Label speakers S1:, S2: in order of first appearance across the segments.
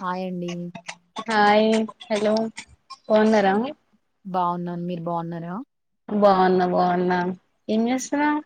S1: Hi అండి
S2: hi hello బాగున్నారా
S1: బాగున్నాను మీరు బావున్నారా
S2: బాగున్నా బాగున్నా ఏం చేస్తున్నావ్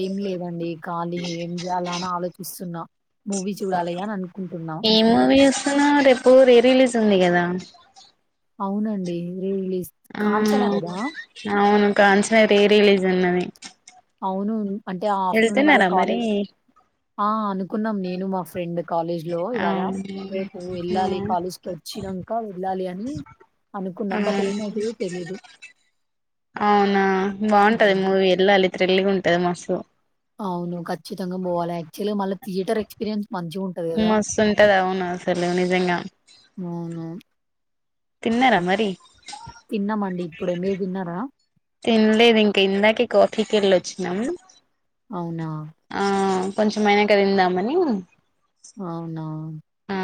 S1: ఏం లేదండి ఖాళీ నే ఏం చేయాల అని ఆలోచిస్తున్నా మూవీ చూడాలిగ అని అనుకుంటున్నా
S2: ఏం మూవీ రేపు రీ రిలీజ్ ఉంది కదా
S1: అవునండి రీ రిలీజ్
S2: ఆ
S1: కాంచనా కదా
S2: అవును కాంచన రీ రిలీజ్ అయిందని
S1: అవును అంటే ఆఫ్టర్నూన్ అంటే ఇవాళ ఖాళీ
S2: మరి
S1: ఆ అనుకున్నాం నేను మా ఫ్రెండ్ కాలేజ్ లో ఇవాళ
S2: అవును
S1: రేపు వెళ్ళాలి కాలేజ్కి వచ్చి లాంక వెళ్ళాలి అని అనుకున్నాం బట్
S2: అవును
S1: ఏమవుతాదొ తెలీదు
S2: అవునా బాగుంటది
S1: ఉమ్,
S2: మూవీ వెళ్ళాలి థ్రిల్ గా ఉంటది మస్తు
S1: అవును ఖచ్చితంగా పోవాలి యాక్చువల్ మళ్ళీ థియేటర్ ఎక్స్పీరియన్స్ మంచిగా ఉంటది కదా
S2: మస్తు ఉంటది అవును అసలు నిజంగా
S1: అవును
S2: తిన్నరా మరి
S1: తిన్నామండి ఇప్పుడే మీరు తిన్నారా
S2: తిన్లేదు ఇంకా ఇందాకే కాఫీకి వెళ్ళ వచ్చినాను
S1: అవునా
S2: కొంచెమైనాంక తిందామని ఆ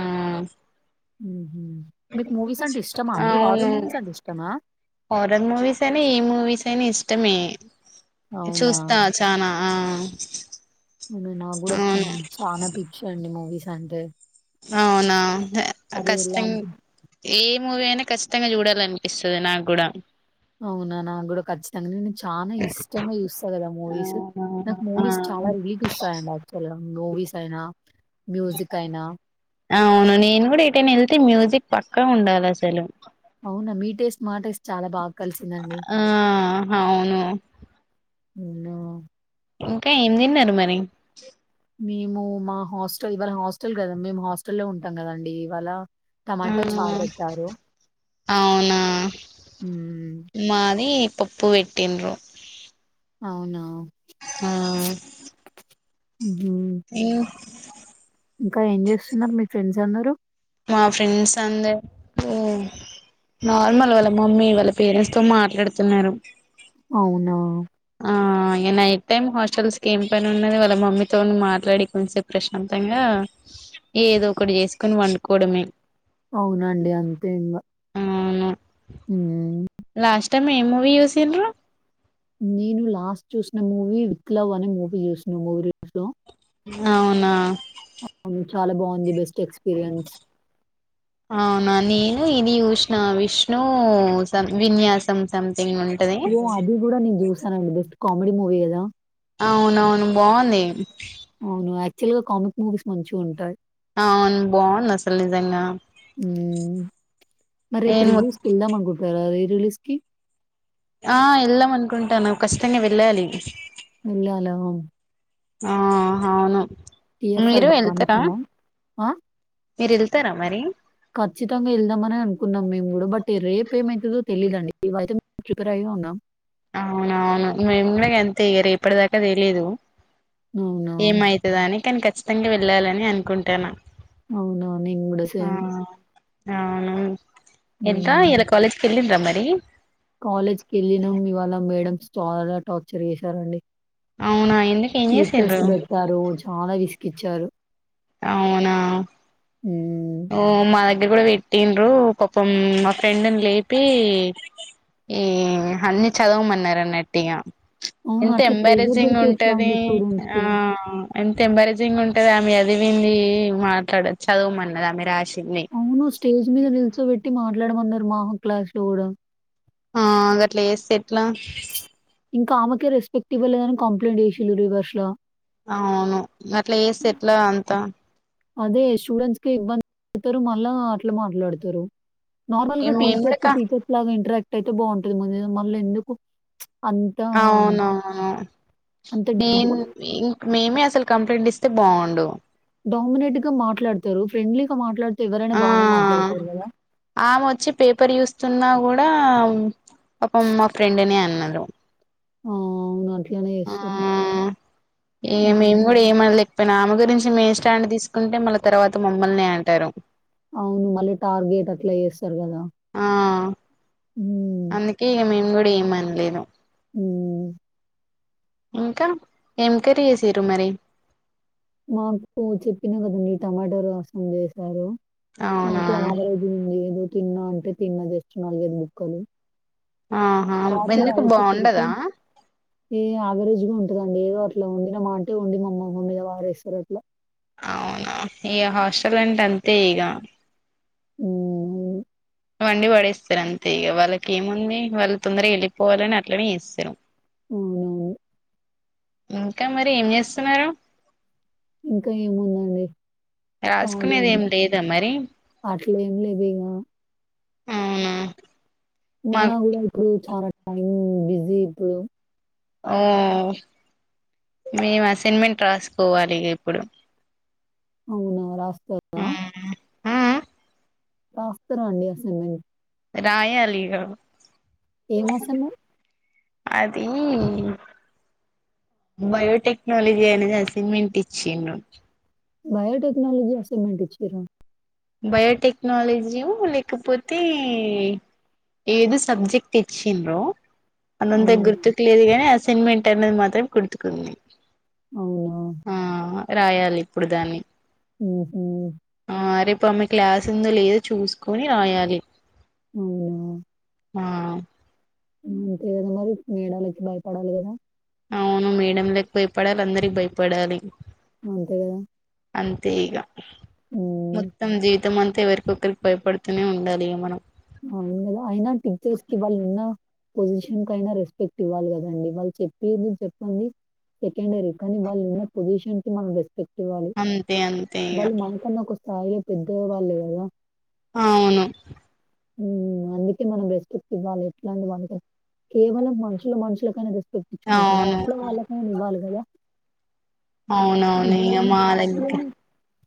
S1: మ్మ్ మీకు మూవీస్ అంటే ఇష్టమా అండి హార్రర్ మూవీస్ అంటే ఇష్టమా
S2: హార్రర్ మూవీస్ అని ఏ మూవీస్ అయినా ఇష్ ఇష్టమే
S1: అవునా!
S2: చూస్తా చనా ఆ
S1: నాకు కూడా
S2: అవును
S1: చానా పిచ్చి అండి మూవీస్ అంటే
S2: అవునా
S1: అది
S2: కష్టంగా
S1: ఎలాంటి
S2: ఏ మూవీ అయినా ఖచ్చితంగా చూడాలనిపిస్తుంది నాకు కూడా
S1: అవునా నాకు కూడా ఖచ్చితంగా నేను చాలా ఇష్టంగా చూస్తా కదా మూవీస్
S2: అవునవును
S1: నాకు మూవీస్ చాలా రిలీఫ్ ఇస్తాయండి యాక్చువల్ మూవీస్ అయినా మ్యూజిక్ అయినా.
S2: అవును నేను కూడా ఏటైనా వెళ్తే మ్యూజిక్ పక్కా ఉండాలి అసలు
S1: అవునా మీ టేస్ట్ మా టేస్ట్ చాలా బాగా కలిసిందండి
S2: ఆ అవును
S1: వున
S2: ఇంకా ఏం తిన్నారు మరి
S1: మేము మా హాస్టల్ ఇవాళ హాస్టల్ కదా మేము హాస్టల్లో ఉంటాం కదండి ఇవాళ టమాట చారు
S2: ఆ
S1: పెట్టారు
S2: అవునా మాది పప్పు పెట్టిన్రు
S1: అవునా
S2: ఆ
S1: మ్మ్
S2: ఇం
S1: ఇంకా ఏం చేస్తున్నారు మీ ఫ్రెండ్స్ అందరూ
S2: మా ఫ్రెండ్స్ అందరు ఓ నార్మల్ వాళ్ళ మమ్మీ వాళ్ళ పేరెంట్స్ తో మాట్లాడుతున్నారు
S1: అవునా!
S2: ఆ ఇంగ [unintelligible] టైం హాస్టల్స్ కి ఏం పని ఉన్నది వాళ్ళ మమ్మీతో మాట్లాడి కొంచసేపు ప్రశాంతంగా ఏ ఏదో ఒకటి చేసుకొని వండుకోవడమే
S1: అవునాండి అంతే ఇంగా
S2: అవును
S1: ఉమ్
S2: లాస్ట్ టైమ్ ఏం మూవీ చూసిన్రు
S1: నేను లాస్ట్ చూసిన మూవీ హిట్ లవ్ అనే మూవీ చూసిన మూవీ హిట్ లో
S2: నవునా
S1: అవును చాలా బాగుంది బెస్ట్ ఎక్స్పీరియన్స్
S2: అవునా నేను ఇవి యుష్న విష్ణు సమ్ విన్యాసం సమ్
S1: ఓ అది కూడా నేను చూసానండి బెస్ట్ కామెడీ మూవీ కదా!
S2: అవునవును బాగుంది.
S1: అవును యాక్చువల్ గా కామిక్ మూవీస్ మంచిగా ఉంటాయి.
S2: అవును బాగుంది అసలు నిజంగా
S1: మరేపు
S2: నేను
S1: రీ
S2: మొ
S1: మూవీస్ కి వెళ్దాం అనుకుంటారా రీ రిలీజ్ కి
S2: ఆ ఎల్దమ్ అనుకుంటాను ఖచ్చితంగా వెళ్ళాలి.
S1: వెళ్ళాలా
S2: ఆ హా.
S1: టి ఎఫ్ ఐ బాగుంటదా ఆ
S2: మీరు వెళ్తారా మరి
S1: ఖచ్చితంగా వెళ్దామని అనుకున్నాం. మేము కూడా బట్ రేప్ ఏమవుతదో తెలీదండి. చూకరైగా ఉన్నా
S2: అవునవును మెమ్మే అంతే ఇగ రేపటి దాకా తెలీదు.
S1: అవునా!
S2: ఏమయితదాని కానీ ఖచ్చితంగా వెళ్ళాలని అనుకుంటానా.
S1: అవునా నేన్ గూడ సేమ్
S2: అవును ఎంత ఇయ్యాలా కాలేజ్కి వెళ్ళిండ్రా మరి
S1: కాలేజ్ కి వెళ్ళినాం ఇవాళ మేడమ్స్ చాలా టార్చర్ చేసారండి.
S2: అవునా ఏ
S1: స్లిప్ టెస్ట్ పెట్టారు చాలా రిస్క్ ఇచ్చారు.
S2: అవునా
S1: హ్మ్.
S2: ఓ మా దగ్గర కూడా పెట్టిన్రు పాపం మా ఫ్రెండ్ని లేపి ఏ అన్ని చదవమన్నార అన్నటిగ
S1: అవును.
S2: ఎంత
S1: అట్లా ప్రెషర్
S2: ఎంబారేజింగ్
S1: పెడితే ఎట్లా
S2: ఉంటది
S1: అండి
S2: ఆ
S1: స్టూడెంట్స్‌కి?
S2: ఎంత ఎంబరేజింగ్ ఉంటది ఆమె చదివింది మాట్లాడచ్ చదవమన్నది ఆమె రాష్
S1: అవును స్టేజ్ మీద నిల్చోబెట్టి మాట్లాడమన్నారు. మాహు క్లాస్ లో గూడా
S2: ఆ గట్లా ఏస్తే ఎట్లా?
S1: కామకే రెస్పెక్ట్ ఇవ్వాళే అని కంప్లైంట్ చేసిళ్ళు రివర్స్ లో
S2: అవును అట్లా ఏస్తే ఎట్లా అంతా
S1: అదే స్టూడెంట్స్ కే ఇబ్బంది పేడతారు. మళ్ళా అట్లా మాట్లాడుతారు. నార్మల్ గా
S2: మేము కూడా
S1: టీచర్స్
S2: కా
S1: టీచర్స్ లాగా ఇంటరాక్ట్ అయితే బాగుంటుంది ముందే మళ్ళీ ఎందుకు? అంత
S2: అవునవును
S1: అంత
S2: నేను ఇం మేమే అస్ అసలు కంప్లైంట్ ఇస్తే బాగుండు
S1: డామినేట్గా మాట్లాడతారు. ఫ్రెండ్లీగా మాట్లాడుతే ఎవరైనా
S2: ఆ
S1: బానే మాట్లాడతారు కదా!
S2: ఆమె వచ్చి పేపర్ చూస్తున్నా కూడా పపం మా ఫ్రెండ్ నే అన్నారు.
S1: ఆ అవున్ అట్
S2: ఆ
S1: హ్మ్.
S2: మేము కూడా ఏమనలే? బేనామె గురించి మేమ్ స్టాండ్ తీసుకుంటే మళ్ళా తర్వాత మమ్మల్నే అంటారు.
S1: అవును మళ్ళీ టార్గెట్ అట్లా ఏస్తారు కదా.
S2: ఆ అందుకే ఇగ మేము కూడా ఏమీ అనలేదు.
S1: ఉమ్
S2: ఇంకా ఏం కర్రీ చేసిర్రు మరి
S1: మాకు టు చెప్పినా కదండి. టమాటో రసం చేసారు.
S2: అవునా
S1: ఓకే యావరేజ్ ఉంది ఏదో తిన్నా అంటే తిన్న జస్ట్ నాలుగైదు బుక్కలు
S2: ఆహా
S1: రాత్రి
S2: ఎందుకు
S1: అయే తిప్పి తిప్పి
S2: బాగుండదా
S1: ఏ అవరేజ్ గున్ ఇగో అండి ఏదో అట్లా వండి నా మా అంటే వండి మామ్మమ్మ మీద వారేస్తారు అట్లా
S2: అవునా ఈ హాస్టల్ అంటే అంతే ఇగ
S1: ఉహు
S2: వండి వడేస్తారు అంతే ఇక వాళ్ళకి ఏముంది వాళ్ళు తొందరగా వెళ్ళిపోవాలని అట్లనే ఏస్తారు
S1: అవునవును
S2: ఇంకా మరి ఏం చేస్తున్నారు
S1: ఇంకా ఏముంది అండి ఖాళీ
S2: రాసుకునేది
S1: ఇగ
S2: ఏం లేదా మరి
S1: అట్లా ఏం లేవు ఇంగా
S2: అవునా
S1: ఉన్నా
S2: మాకు
S1: కూడా ఇప్పుడు చాలా టైం బిజీ ఇప్పుడు
S2: ఓ మేము అసైన్మెంట్ రాసుకోవాలి ఇగ ఇప్పుడు
S1: అవునా
S2: ఆ
S1: రాస్తురా రాస్తున్న అండి అసైన్మెంట్
S2: రాయాలిగా
S1: ఏ మాసము
S2: అది బయోటెక్నాలజీ అనేది అసైన్మెంట్ ఇచ్చిండు
S1: బయోటెక్నాలజీ అసైన్మెంట్ ఇచ్చిరా
S2: బయోటెక్నాలజీయు లేకపోతే ఏదు సబ్జెక్ట్ ఇచ్చిండ్రో అనంతాయ్
S1: అవునా?
S2: గుర్తుకు లేదు గాని అసైన్మెంట్ అనేది మాత్రం గుర్తుకుంది
S1: అవునా
S2: ఆ రాయాలి ఇప్పుడు దాన్ని
S1: ఉఫు
S2: ఆ రేపు ఆమె క్లాస్ ఉందో లేదో చూసుకొని రాయాలి
S1: అవునా
S2: ఆ
S1: అంతే కదా మరి మేడాలకి భయపడాలి కదా
S2: అవును మేడం తప్ప ఇప్పడాలు అందరికి భయపడాలి
S1: అంతే కదా
S2: అంతే ఇగ మొత్తం జీవితం అన్ తే ఎవరికొకరికి భయపడుతూనే ఉండాలి ఇగ మనం
S1: అవును కదా అయినా టీచర్స్ కి వాళ్ళు ఉన్న పొజిషన్ కి అయినా రెస్పెక్ట్ ఇవ్వాలి కదండి వాళ్ళు చెప్పేది చెప్పండి సెకండరీ కానీ వాళ్ళు ఉన్నా పొజిషన్ కి మనం రేస్ పెట్టి వాళ్ళి
S2: అంతే అంతే ఇగ
S1: వాళ్ళు మనకన్నా ఒక స్థాయిలో పెద్దవాళ్ళు కదా
S2: అవును
S1: అందుకే మనం రెస్పెక్ట్ ఇవ్వాలి ఎట్లాంటి వాళ్ళతో కేవలం మనుషులు మనుషులకైనా పెట్టించుకుంటాం కదా
S2: అవును
S1: అట్లా వాళ్ళకు అయిన ఇవ్వాలి కదా
S2: అవునవును
S1: ఇవాళ
S2: ఇయ్య
S1: హ్మ్. మన
S2: మాది
S1: క్లాస్‌లో
S2: ఏకు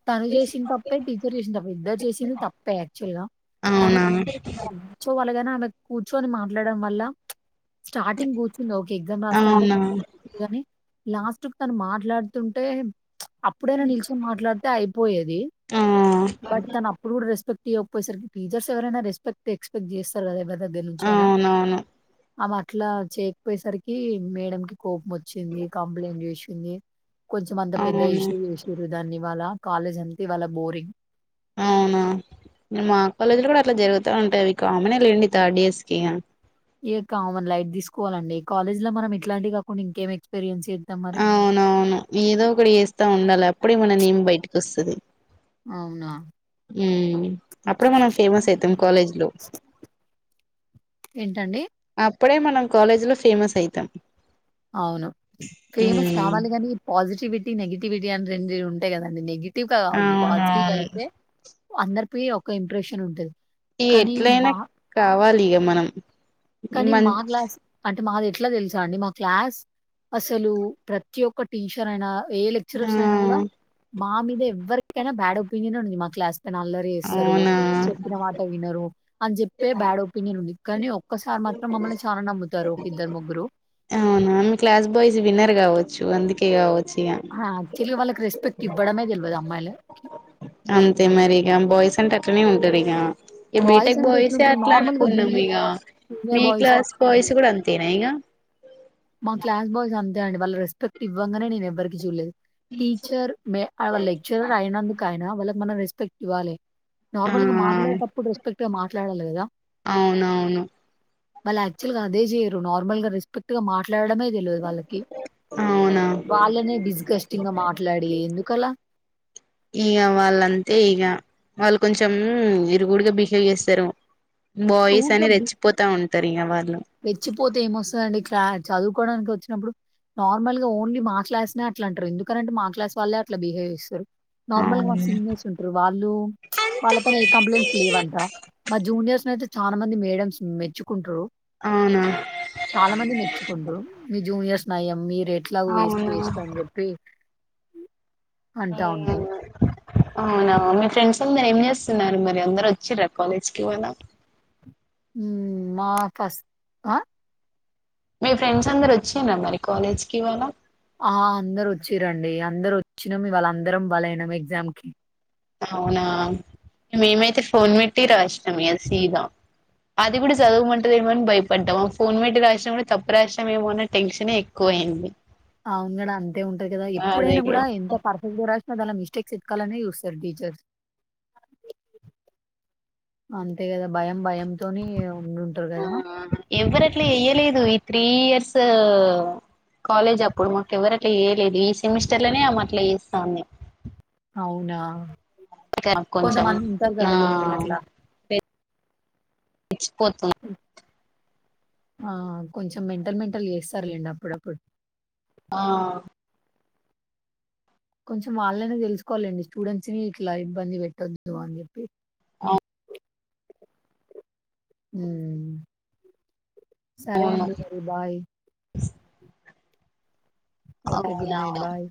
S1: తను చేసిన తప్పే టీచర్ చేసిన తప్ప ఇద్దరు చేసింది తప్పే యాక్చువల్ గా
S2: అవునా
S1: తనకి తం సో వాళ్ళగైనా ఆమె కూర్చొ అని మాట్లాడం వల్ల స్టార్టింగ్ కూర్చుంది ఓకే ఎగ్జామ్ రాస్తాంటే
S2: అవునా
S1: గాని లాస్ట్ కు తను మాట్లాడుతుంటే అప్పుడైనా నిలిచి మాట్లాడితే అయిపోయేది
S2: ఆ
S1: బట్ తను అప్పుడు కూడా రెస్పెక్ట్ టీఓపోయేసరికి టీచర్స్ ఎవరైనా రెస్పెక్ట్ ఎక్స్పెక్ట్ చేస్తారు కదా ఎవ్వరి దగ్గర నుంచి అయినా
S2: అవునవును
S1: ఆమె అట్లా చేయకపోయేసరికి మేడం కి కోపం వచ్చింది కంప్లైంట్ చేసింది కొంచెం అంత పెద్ద
S2: అవును
S1: ఇష్యూ చేసిర్రు దాన్ని ఇవాళ కాలేజ్ అంత ఇవాళ బోరింగ్
S2: అవునా మా కాలేజ్ లో కూడా అట్లా జరుగుతా ఉంటాయి ఇ ఆమెనే లేండి థర్డ్ ఇయర్స్ కి
S1: ఇక కామన్ లైట్ తీసుకోవాలండి కాలేజ్ లో మనం ఇలాంటి కాకుండా ఇంకేం ఎక్స్పీరియన్స్
S2: అవునవును ఏదో ఒక వేస్తా ఉండాలి అప్పుడే మన నేమి బయటకి వస్తుది
S1: అవునా
S2: ఉ అప్పుడ మనం ఫేమస్ అయితాం కాలేజీ లో
S1: ఏంటండి?
S2: అప్పుడే మనం కాలేజీ లో ఫేమస్ అయితాం
S1: అవును ఫేమస్
S2: ఉమ్
S1: కావాలి కాని పాజిటివిటీ నెగిటి్ టీ అని రెండు ఉంటాయి కదండి నెగిటివ్గా కాద్దు పాజిటివ్ గా
S2: అవునవును
S1: అయితే అందరి ప ఒక ఇంప్రెషన్ ఉంటుది
S2: ఈ ఎట్లయినా కావాలి ఇక మనం ఈ
S1: కానీ మా
S2: మంత్
S1: గ్లాస్ అంటే అే మాది ఎట్లా తెలుసా అండి మా క్లాస్ అసలు ప్రతి ఒక్క టీచర్ అయినా ఏ
S2: ఆ
S1: లెక్చరర్స్ అయినా కూడా మా మీద ఎవరికైనా బ్యాడ్ ఒపీనియన్ ఉది మా క్లాస్ న అల్లరు వేస్తారు
S2: అవునా
S1: చెప్పిన మాట వినరు అని చెప్పే బ్యాడ్ ఒపీనియన్ ఉంది ఇ కానీ ఒక్కసారి మాత్రం మమ్మల్ని చాలా నమ్ముతారు ఒక ఇద్దరు, ముగ్గురు.
S2: అవునా ఆ క్లాస్ బాయ్స్ విన్నర్ కావచ్చు చ్చు అందుకే కావచ్చు ఇగ
S1: యాక్చువల్గా వాళ్ళ రెపెక్ట్ ఇవ్వడమే తెలియదు అమ్మాయిల
S2: అంతే మరి ఇక బాయ్స్ అంటే అట్లనే ఉంటారు ఇక ఈ
S1: బాయ్స్
S2: బీటెక్
S1: అంటే
S2: బాయ్సే
S1: ఎట్లుంటరు
S2: అట్లా
S1: నార్మల్‌గా
S2: అనుకున్నాం
S1: జూనియర్
S2: ఇక
S1: బాయ్స్,
S2: మీ
S1: సీనియర్ బాయ్స్
S2: క్లాస్ బాయ్స్ కూడా అంతేనా ఇక
S1: మా క్స్ బాయ్స్ అంతే అండి వాళ్ళ రెస్పెక్ట్ ఇవ్వగానే నేను ఎవ్వరికి చూడలేదు టీచర్ మ లెక్చరర్ అయినందుకు అయన వాళ్ళకి మనం రెస్పెక్ట్ ఇవ్వాలి
S2: ఆ
S1: నార్మల్ గా మాట్లాడేటప్పుడు రెస్పెక్ట్ గా మాట్లాడాలి కదా
S2: అవునవును
S1: మళ్ళీ యాక్చువల్ గా అదే చెయరు నార్మల్ గా రెస్పెక్ట్ గా మాట్లాడమే తెలియదు వాళ్ళకి
S2: అవునా
S1: వాళ్ళనే డిస్కస్టింగ్ గా మాట్లాడి ఎందుకలా
S2: ఇక వాళ్ళంతే ఇగా వాళ్ళు కొంచెం ఇరుగుడుగా బిహేవ్ చేస్తారు బాయ్స్ అని రెచ్చిపోతా ఉంట తరి వా
S1: వెచ్చిపోతే ఏమొస్తుందండి క్లారి చదువుకోవడానికి వచ్చినప్పుడు నార్మల్ గా ఓన్లీ మా క్లాస్ న అట్లా అంటారు ఎందుకనింటే మా క్లాస్ వాళ్లే అట్లా బిహేవ్ చేస్తారు నార్మల్ గా మాన
S2: అవును
S1: సింగర్స్ ఉంటారు వాళ్ళు వాళ్ళ పైన ఏ కంప్లైంట్స్ లీవంట మా జూనియర్స్ ని అయితే చాలా మంది మేడమ్స్ మెచ్చుకుంటారు
S2: అవునా
S1: చాలా మంది మెచ్చుకుంటరు మీ జూనియర్ స్ నయం మీ ఎట్లా వేస్ట్
S2: అవునా
S1: వేస్ట్ అని చెప్పి అంటా ఉంటంది
S2: అవునా మీ ఫ్రెండ్స్ అందరు ఏం చేస్తున్నారు మరి అందరు వచ్చార కాలేజ్కిి పోద
S1: మా కాస్ ఆ
S2: మీ ఫ్రెండ్స్ అందరు వచ్చిార మరి కాలేజ్కిి ఇవాళ
S1: ఆ అందరు వచ్చి రండి అందరు వచ్చినాము ఇవాళ్ళ అందరం బలైనం ఎగ్జామ్కిి
S2: అవునా మేమైతే ఫోన్ పెట్టి రాసినాం అ సీదాం అది కూడా చదువు మంటది ని భయపడ్డాం ఫోన్ పెట్టి రాసినా కూడా తప్పు రాసినామ ఏమోన్న టెన్షన్ ఎక్కువ అయింది
S1: అవును కదా అంతే ఉంటంది కదా
S2: అదే
S1: ఎప్పుడైనా కూడా
S2: కదా
S1: ఎంత పర్ఫెక్ట్ గా రాసినా అలా మిస్టేక్స్ క్కనే చూస్తారు టీచర్ అంతే కదా భయం భయం
S2: ఆ ఎవరట్లా వయ్యలేదు త్రీ ఇయర్స్ కాలేజ్ అప్పుడు మాకు ఎవరు అట్లా చేేయలేదు ఈ సెమిస్టర్ లోనే ఆమె అట్లా చేేస్తాంది
S1: అవునా
S2: కొంచెం
S1: కొంతమంది ఉంటారు కద లేం
S2: ఆ
S1: ఇట్లా
S2: మచ్చిపోతాం
S1: ఆ కొంచెం మెంటల్ మెంటల్ చేస్తారులేండి అప్పుడప్పుడు
S2: ఆ
S1: కొంచెం వాళ్ళనే తెలుసుకోవాలండి స్టూడెంట్స్ ని ఇట్లా ఇబ్బంది పెట్టొద్దు అని చెప్పి
S2: ఆ
S1: మ్మ్ సరే
S2: అవును
S1: అండి మరి బాయ్ ఓకే గుడ్
S2: అవునా
S1: నైట్ బాయ్